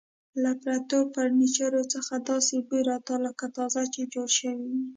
له پرتو فرنیچرو څخه داسې بوی راته، لکه تازه چې جوړ شوي وي.